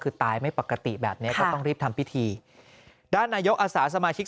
คือตายไม่ปกติแบบเนี้ยก็ต้องรีบทำพิธีด้านนายกอาสาสมาชิก